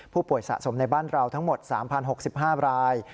ผู้ป่วยสะสมในบ้านเราทั้งหมด๓๐๖๕ราย